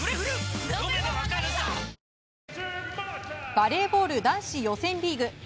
バレーボール男子予選リーグ。